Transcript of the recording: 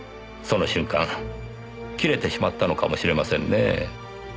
その瞬間切れてしまったのかもしれませんねえ。